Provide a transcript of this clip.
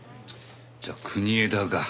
じゃあ国枝が。